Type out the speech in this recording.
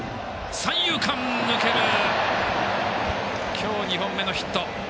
今日２本目のヒット。